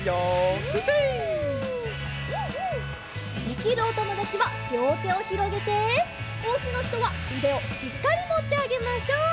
できるおともだちはりょうてをひろげておうちのひとはうでをしっかりもってあげましょう。